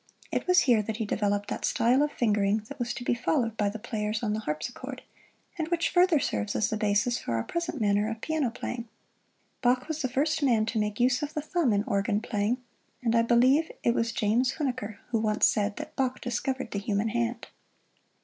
It was here he developed that style of fingering that was to be followed by the players on the harpsichord, and which further serves as the basis for our present manner of piano playing. Bach was the first man to make use of the thumb in organ playing, and I believe it was James Huneker who once said that "Bach discovered the human hand."